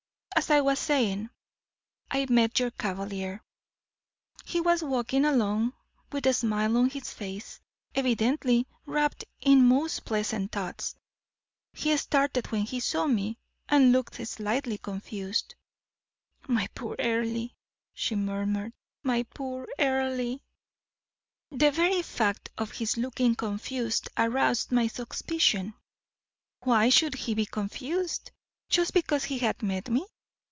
As I was saying, I met your cavalier; he was walking along, with a smile on his face evidently wrapped in most pleasant thoughts. He started when he saw me, and looked slightly confused." "My poor Earle!" she murmured; "my poor Earle!" "The very fact of his looking confused aroused my suspicion. Why should he be confused, just because he had met me?